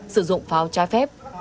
sử dụng pháo trái phép